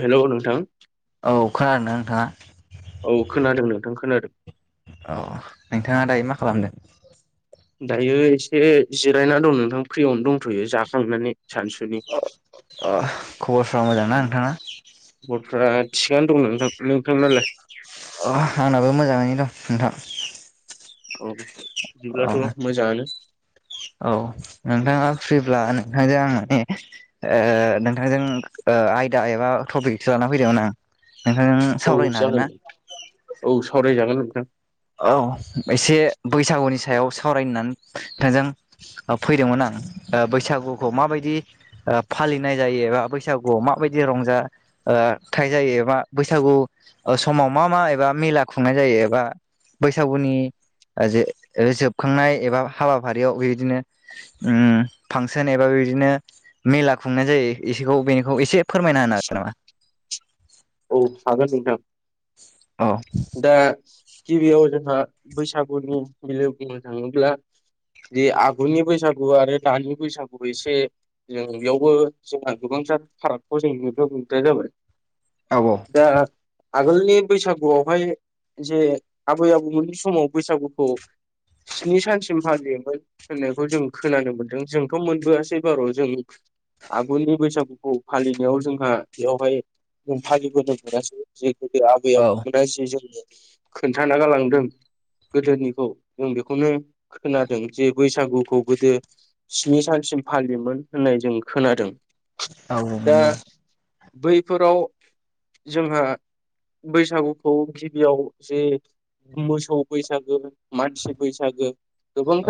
Hello नोंथां औ खानादों ना नोंथाङा? औ खोनादों नोंथां खोनादों। औ नोंथाङा दायो मा खालामदों। दायो एसे जिरायना दं नोंथां फ्रियावनो दंथ'यो जाखांनानै सानसुनि अ खबरफ्रा मोजांना नोंथाङा गफ्रा थिगानो दं नोंथां नोंथांनालाय? अ आंनाबो मोजाङैनो दं नोंथां। औ। औ बिदिब्लाथ' मोजाङानो औ नोंथाङा फ्रिब्ला। नोथांजों आं नोंथांजों आयदा एबा टपिकसो लाना फैदोंमोन आं नोंथां नों औ सावरायनो हागोन जागोन ना? औ सावरायजागोन नोंथां औ एसे बैसागुनिस सायाव सावरायनानै बिथांजों फैदोंमोन आं बैसागुखौ माबायदि फालिनाय जायो एबा बैसागुआव माबायदि रंजा थाइ जायोबा बैसागु समाव मा मा एबा मेला खुंनाय जायो एबा बैसागुनि जोबखांनाय एबा हाबाफारियाव बेबायदिनो फांसन एबा बे बिदिनो मेला खुंनाय जायो एखौ बेनिखौ एसे फोरमायना होनो हागोन नामा? औ हागोन नोंथां दा गिबियाव जोंहा बैसागुनि मिलो बुंनो थाङोब्ला। बे आगुनि बैसागु आरो दानि बैसागु एसे। जों बेयावबो जोंहा गोबांथार फारागखौ जों नुनो मोननाय जाबाय। औ औ। दा आगोलनि बैसागुआवहाय जे आबै आबौमोननि समाव बैसागुखौ। स्नि सानसिम फालियोमोन होननायखौ जों खोनानो मोन्दों जोंथ' मोनबोआसै बार' जों। आगुनि बैसागुखौ फालिनायाव जोंहा बेवहाय। जों फालिबोनो मोनासै जे गोदो आबै नामा? औ औ आबौमोनहा जे जोंङो। खोन्थाना गालांदों। गोदोनिखौ जों बेखौनो खोनादों जे बैसागुखौ गोदो स्नि सानसिम फालियोमोन होननाय जों खोनादों। औ। दा बैफोराव जोंहा बैसागुखौ गिबियाव जे मोसौ बैसागो मानसि बैसागो।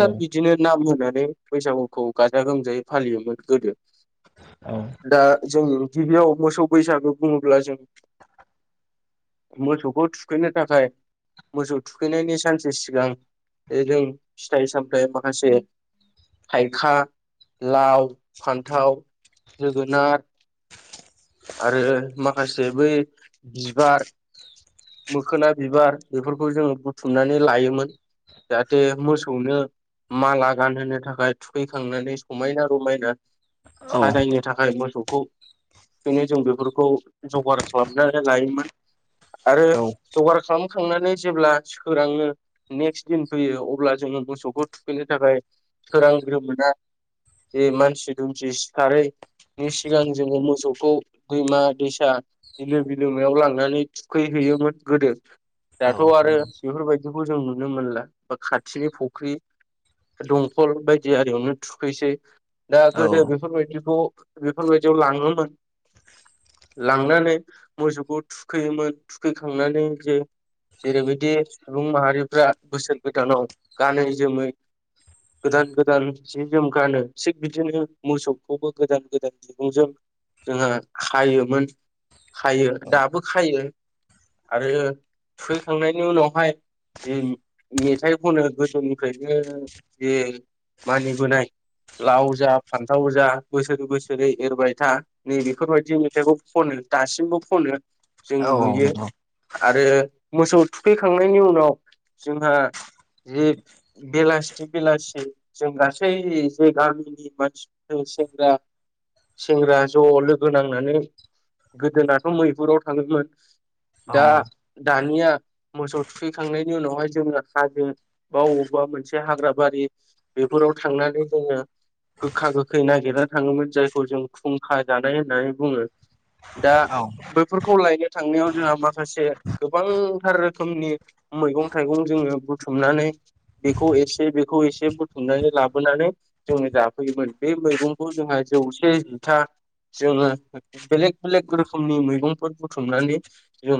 औ बिदिनो नाम होनानै बैसागुखौ गाजा गोमजायै फालियोमोन गोदो दा जों गिबियाव मोसौ बैसागु बुङोब्ला जों। मोसौखौ थुखैनो थाखाय मोसौ थुखैनायनि सानसे सिगां जों फिथाइ सामथायाइ माखासे। थाइखा लाव फान्थाव जोगोनार। आरो माखासे बै बिबार मोखोना बिबार बेफोरखौ जोङो बुथुमनानै लायोमोन। जाहाथे मोसौनो। माला गानहोनो थाखाय थुखैखांनानै समायना रमायना। औ साजायनो थाखाय मोसौखौ बिनो जों बेफोरखौ जगार खालामनानै लायोमोन आरो जगार खालामो। खांनानै जेब्ला सोरांनो नेक्स्ट दिन फैयो अब्ला जोङो मोसौखौ थुखैनो थाखाय। सोरांग्रोमोना। जे मानसि दुमसि सिखारखारैनि सिगां जोङो मोसौखौ दैमा -दैसा दैसा बिलो बिलोमायाव लांनानै थुखैहैयोमोन गोदो दाथ' आरो बेफोरबायदिखौ जों नुनो मोनला ब खाथिनि फुख्रि दंखल बायदि आरियावनो थुखैसै दा गोदो बेफोरबायदिखौ बेफोरबायदियाव लांगोमोन लांनानै मोसौखौ थुखैयोमोन थुखैखांनानै जे जेरैबायदि सुबुं माहारिफ्रा बोसोर गोदानाव गानै जोमै गोदान गोदान जि जोम गानो थिग बिदिनो मोसौखौबो गोदान गोदान बिबुंजों जोंहा खायोमोन खायो दाबो खायो आरो। थुखैखांनायनि उनावहाय जे मेथाइ खनो गोदोनिफ्रायनो जे मानिबोनाय लाव जा फान्थाव जा बोसोरै बोसोरै एरबाय था नै बेफोरबायदि मेथाइखौ। खनो दासिमबो खनो जों औ। नुयो आरो मोसौ थुखैखांनायनि उनाव जोंहा जे बेलासिथि बेलासि जों गासै जे गामिनि मानसिफोर सेंग्रा सेंग्रा ज' लोगो नांनानै गोदोनाथ' मैहुराव थाङोमोन दा दानिया मोसौ थुखैखांनायनि उनावहाय जोंङो हाजों बा अबेबा। मोनसे हाग्रा बारि बेफोराव थांनानै जोङो। गोखा गोखै नागिरना थाङोमोन जायखौ जों खुंखा जानाय होननानै बुङो। दा औ बैफोरखौ लायनो थांनायाव जोंहा माखासे गोबांथार रोखोमनि मैगं थाइगं जोङो बुथुमनानै। बेखौ एसे बेखौ एसे बुथुमनानै लाबोनानै जोङो जाफैयोमोन बे मैगंखौ जोंहा जौसे जुथा जोङो बेलेग बेलेग रोखोमनि मैगंफोर बुथुमनानै जों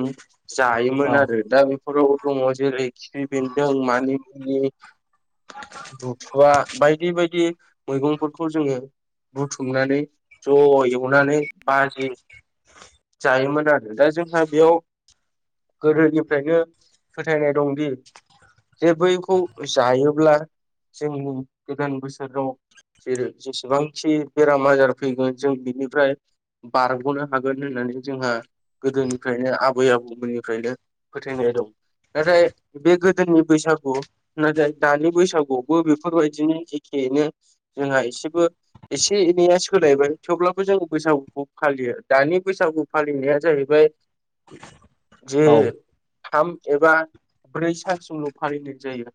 औ जायोमोन आरो दा बेफोर बर' दङ जेरै खिफि बेन्दों मानि मुनि बुथुवा बायदि बायदि मैगंफोरखौ जोङो बुथुमनानै ज' एवनानै बाजि जायोमोन आरो दा जोंहा बेयाव गोदोनिफ्रायनो फोथायनाय दंदि जे बैखौ जायोब्ला जोंनि गोदान बोसोराव जेरै जेसेबांखि बेराम आजार फैगोन जों बिनिफ्राय बारग'नो हागोन होननानै जोंहा गोदोनिफ्रायनो आबै आबौमोननिफ्रायनो फोथायनाय दं नाथाय बे गोदोनि बैसागु नाथाय दानि बैसागुआवबो बेफोरबायदिनो एखे बेनो जोंहा एसेबो एसे एनैया सोलायबाय थेवब्लाबो जों बैसागुखौ फालियो दानि बैसागु फालिनाया जाहैबाय जे औ थाम एबा ब्रै सानसिमल' फालिनाय जायो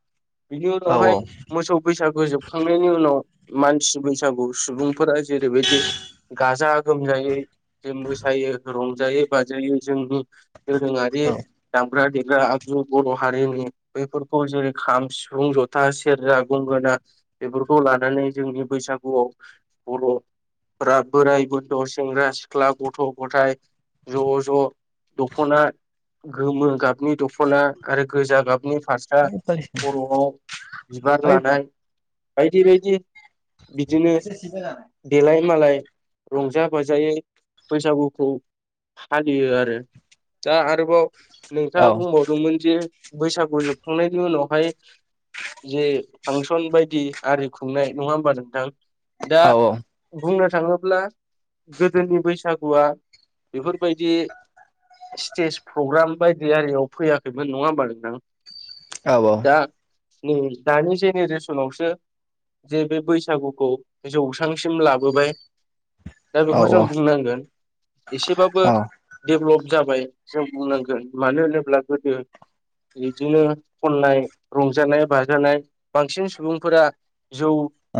बिनि औ ओइ औ उनावहाय मोसौ बैसागु जोब खांनायनि उनाव मानसि बैसागु सुबुंफोरा जेरैबायदि गाजा गोमजायै जों मोसायो रंजायै बाजायो जोंनि दोरोङारि दामग्रा देग्रा आगजु बर' हारिनि बेफोरखौ जेरै खाम सिफुं जथा सेरजा गंग गोना बेफोरखौ लानानै जोंनि बैसागुआव बर'फोरा बोराय बेनथ' सेंग्रा सिख्ला गथ' गथाय ज' ज' दख'ना गोमो गाबनि दख'ना आरो गोजा गाबनि फासरा खर'आव बिबार लानाय बायदि बायदि बिदिनो देलाय मालाय रंजा बाजायै बैसागुखौ फालियो आरो दा आरोबाव नोंथाङा बुंबावदोंमोन जे बैसागु जोबखांनायनि उनावहाय जे फांसन बायदि आरि खुंनाय नङा होमबा नोंथां दा बुंनो थाङोब्ला ब्ला गोदोनि बैसागुया बेफोरबायदि स्टेज प्रग्राम बायदि आरियाव फैयाखैमोन नङा होमबा नोंथां औ औ दा नै दानि जेनेरेसनावसो जे बे बैसागुखौ जौस्रांसिम लाबोबाय दा बेखौ जों बुंनांगोन एसेबाबो डेभ्लप जाबाय जों बुंनांगोन मानो होनोब्ला गोदो बिदिनो खननाय रंजानाय बाजानाय बांसिन सुबुंफोरा जौ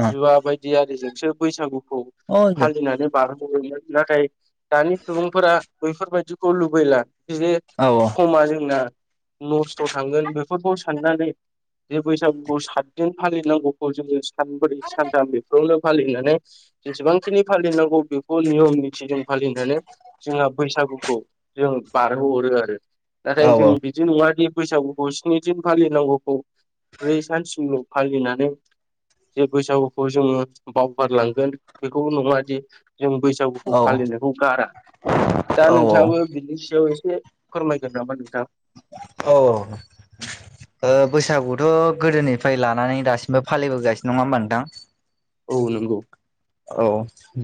जुवा बायदि आरिजोंसो बैसागुखौ फालिनानै बारहोहरोमोन नाथाय दानि सुबुंफोरा बैफोरबायदिखौ लुबैला बिदिनो समा जोंना नसथ' थांगोन बेफोरखौ साननानै जे बैसागुु सातदिन फालिनांगौखौ जोङो सानब्रै सानथाम बेफोरावनो फालिनानै जेसेबांखिनि फालिनांगौ बेखौ नियम निथि जों फालिनानै जोंहा बैसागुखौ जों बारहोहरो आरो नाथाय जों बिदि नङा बैसागुखौ स्नि दिन फालिनांगौखौ ब्रै सानसिल' फालिनानै जे बैसागुखौ जोङो बावगारलांगोन बेखौल' नङा दि जों बैसागुखौ फालिनायखौ गारा दा औ नोंथाङाबो बिनि सायाव एसे फोरमायगोन नामा नोंथां अ ओ बैसागुथ' गोदोनिफ्राय लानानै दासिमबो फालिबोगासिनो नङा होनबा नोंथां औ नंगौ औ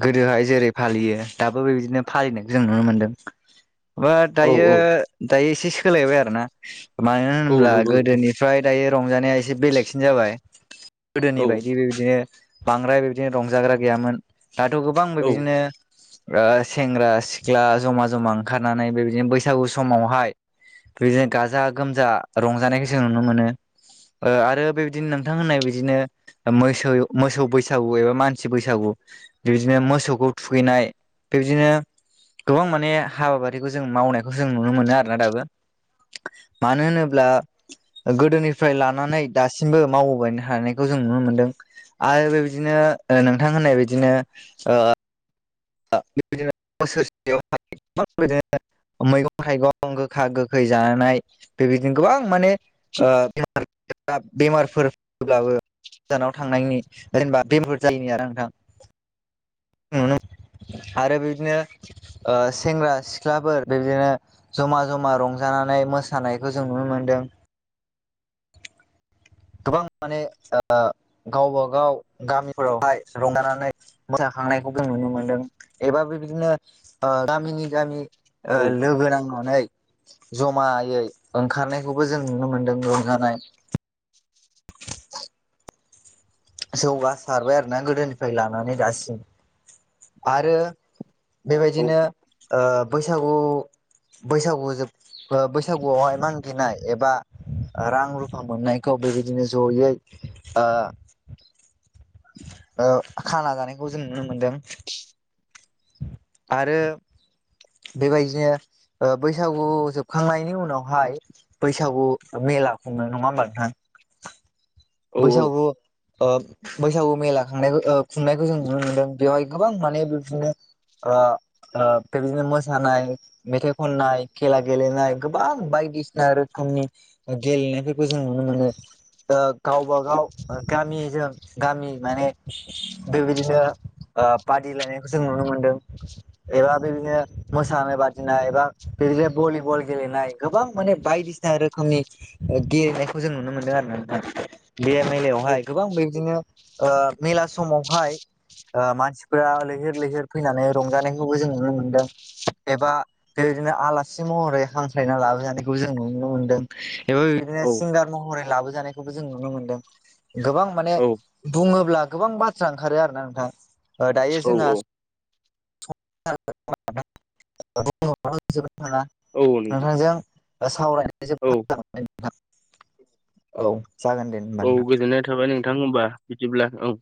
गोदोहाय जेरै फालियो दाबो बेबायदिनो फालिनायखौ जों नुनो मोनदों बाद औ दायो औ दायो एसे सोलायबाय आरोना मानो औ होनोब्ला नंगौ नोंथां गोदोनिफ्राय दायो रंजानाया एसे बेलेगसिन जाबाय गोदोनि औ बायदि बेबायदिनो बांद्राय बेबायदिनो रंजाग्रा गैयामोन दाथ' गोबांबो औ बिदिनो ओ सेंग्रा सिख्ला जमा जमा ओंखारनानै बेबायदिनो बैसागु समावहाय बिदिनो गाजा गोमजा रंजानायखौ जों नुनो मोनो ओ आरो बेबायदिनो नोंथां होननाय बिदिनो मोसौ मोसौ बैसागु एबा मानसि सि बैसागु बिदिनो मोसौखौ थुखैनाय बिदिनो गोबां माने हाबाफारिखौ जों मावनायखौ जों नुनो मोनो आरोना दाबो मानो होनोब्ला गोदोनिफ्राय लानानै दासिमबो मावबोबाय थानायानायखौ जों नुनो मोनदों आरो बेबायदिनो नोंथां होननाय बिदिनो ओ बेबायदिनो बोसोरसेयाव हाय गोबांबायदिनो मैगं थाइगं गोखा गोखै जानानै बेबायदिनो गोबां माने ओ बे बेमार फोरब्लाबो गोजानाव थांनायनि जेनेबा बेमारफोर जायैनि आरो नोंथां नुनो आरो बिदिनो ओ सेंग्रा सिख्लाफोर बेबदिनो जमा जमा रंजा फानाय मोसानायखौ जों नुनो मोनदों गोबां माने ओ गावबा गाव गामिफोरावहाय रंजानानै मोसा थांनायखौ जों नुनो मोनदों एबा बेबायदिनो ओ गामिनि गामि ओ औ लोगो नांनानै जमायै ओंखारनायखौबो जों नुनो मोनदों रंजानाय [inaudible] जौगासारबाय आरोना गोदोनिफ्राय लानानै दासिम आरो औ बेबायदिनो ओ बैसागु बैसागु बैसागुआवहाय मानागिनाय एबा रां रुफा मोननायखौ बेबायदिनो जयै ओ खाना जानायखौ जों नुनो मोनदों आरो बेबायदिनो बैसागु जोबखांनायनि उनावहाय बैसागु मेला खुङो नङा होमबा नोंथां औ बैसागु ओ बैसागु मेला खनाय खुंनायखौ जों नुनो मोनदों बेवहाय गोबां माने बिदिनो ओ ओ बेबायदिनो मोसानाय मेथाइ खननाय खेला गेलेनाय गोबां बायदिसिना रोखोम समनि गेलेनायफोरखौ जों नुनो मोनो दा गावबा गाव गामिजों गामि माने बेबायदिनो ओ बाद दिलायनायखौ जों नुनो मोन्दों एबा बिदिनो मोसानाय बादिनाय एबा बिदिनो भलिबल गेलेनाय गोबां माने बायदि बायदिसिना रोखोमनि गेलेनायखौ जों नुनो मोनदों आरो ना नोंथां बे औ मेलायावहाय गोबां बेबादिनो मेला समावहाय ओ मानसिफोरा लैहोर लैहोर फैनानै रंजानायखौबो जों नुनो मोनदों एबा बेबायदिनो आलासि महरै हांख्रायना लाबजानायखौ जों नुनो मोनदों एबा नो सिंगार महरै लाबो जानायखौबो जों नुनो मोनदों गोबां औ बुङो ब्ला गोबां बाथ्रा ओंखारो आरोना नोंथां दायो जोंहा औ [unintelligible] औ नोंथां नोंथांजों सावरायनाय औ [unintelligible] नोंथां औ जागोन दे होनबा औ नोंथां गोजोननाय थाबाय नोंथां होनबा बिदिब्ला औ